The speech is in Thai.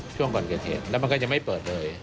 ช่วงก่อนเกิดเหตุแล้วมันก็จะไม่เปิดเลย